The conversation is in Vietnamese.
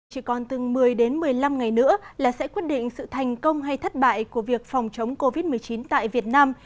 chỉ còn từng một mươi đến một mươi năm ngày nữa là sẽ quyết định sự thành công hay thất bại của việc phòng chống covid một mươi chín tại việt nam